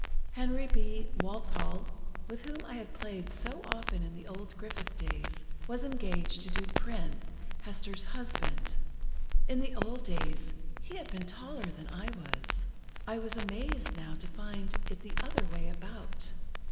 Henry B. Walthall, with whom I had played so often in the old Griffith days, was engaged to do Prynne, Hester's husband. In the old days, he had been taller than I was. I was amazed now to find it the other way about.